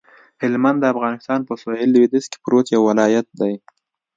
هلمند د افغانستان په سویل لویدیځ کې پروت یو ولایت دی